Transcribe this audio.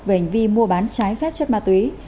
về hành vi mua bán trái phép chất ma túy